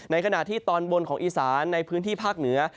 ขณะที่ตอนบนของอีสานในพื้นที่ภาคเหนือ